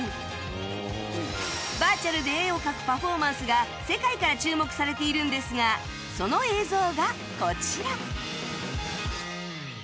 バーチャルで絵を描くパフォーマンスが世界から注目されているんですがその映像がこちら